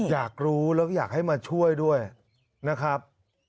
อยากรู้แล้วก็อยากให้มาช่วยด้วยนะครับ